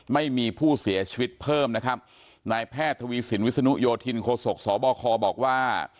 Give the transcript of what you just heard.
ไม่มีผู้เสียชีวิตเพิ่มนะครับนายแพทย์ทวีสินวิศนุโยธินโคศกสบคบอกว่า